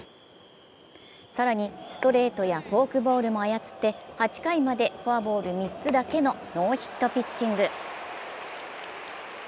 更に、ストレートやフォークボールも操って、８回までフォアボール３つだけのノーヒットピッチング。